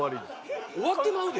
終わってまうで。